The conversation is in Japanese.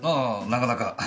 なかなか。